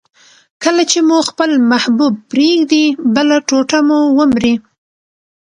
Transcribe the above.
کله چي مو خپل محبوب پرېږدي، بله ټوټه مو ومري.